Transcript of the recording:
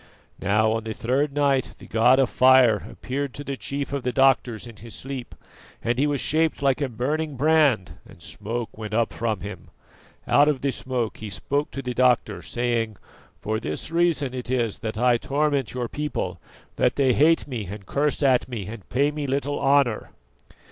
Now on the third night the God of Fire appeared to the chief of the doctors in his sleep, and he was shaped like a burning brand and smoke went up from him. Out of the smoke he spoke to the doctor, saying: 'For this reason it is that I torment your people, that they hate me and curse at me and pay me little honour.